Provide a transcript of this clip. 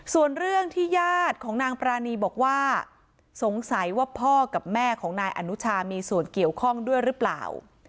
ส่วนเรื่องที่ญาติของนางปรานีบอกว่าสงสัยว่าพ่อกับแม่ของนายอนุชามีส่วนเกี่ยวข้องด้วยหรือเปล่า